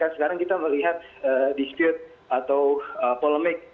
sekarang kita melihat dispute atau polemik